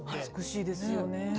美しいですよね。